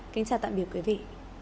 kính chào tạm biệt quý vị